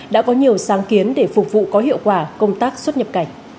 đã có nhiều sáng kiến để phục vụ có hiệu quả công tác xuất nhập cảnh